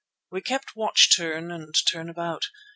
We kept watch turn and turn about.